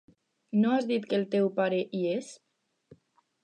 No has dit que el teu pare hi és?